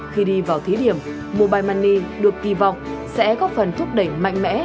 khi đi vào thí điểm mobile money được kỳ vọng sẽ góp phần thúc đẩy mạnh mẽ